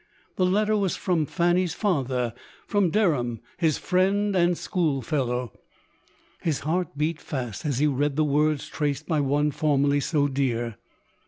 The letter was from Fanny's father — from Derham, his friend and school fellow. His heart beat fast as he read the words traced by one formerly so dear.